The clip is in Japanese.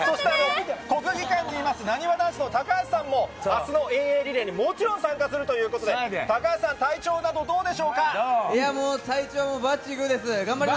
国技館にいます、なにわ男子の高橋さんもあすの遠泳リレーにもちろん参加するということで、高橋さん、もう、体調もバッチグーです。